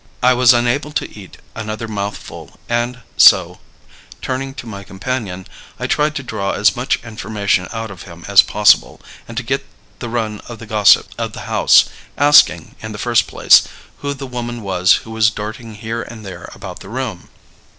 I was unable to eat another mouthful; and so, turning to my companion, I tried to draw as much information out of him as possible, and to get the run of the gossip of the house, asking, in the first place, who the woman was who was darting here and there about the room.